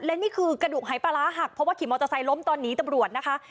และนี่คือกระดูกหายปลาร้าหักเพราะว่าขี่มอเตอร์ไซค์ล้มตอนนี้ตำรวจนะคะ